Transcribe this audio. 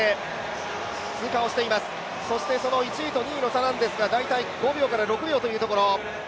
１位と２位の差なんですが、大体５秒から６秒というところ。